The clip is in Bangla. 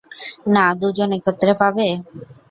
না দু জন একত্রে পাবে?